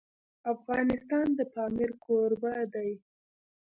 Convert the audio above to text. افغانستان د پامیر کوربه دی.